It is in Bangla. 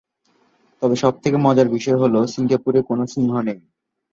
তবে সবথেকে মজার বিষয় হল সিঙ্গাপুরে কোন সিংহ নেই।